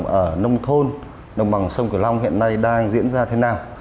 văn hóa cộng đồng ở nông thôn nông bằng sông kiều long hiện nay đang diễn ra thế nào